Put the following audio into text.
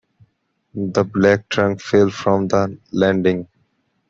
The black trunk fell from the landing.